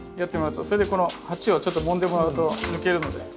それでこの鉢をちょっともんでもらうと抜けるので。